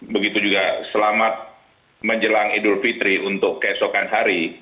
begitu juga selamat menjelang idul fitri untuk keesokan hari